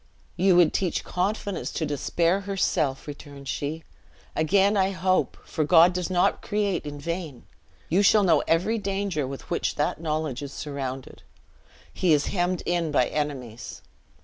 "You would teach confidence to Despair herself," returned she; "again I hope; for God does not create in vain! You shall know every danger with which that knowledge is surrounded. He is hemmed in by enemies.